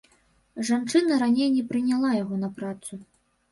Жанчына раней не прыняла яго на працу.